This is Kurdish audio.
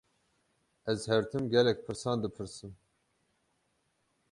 Ez her tim gelek pirsan dipirsim.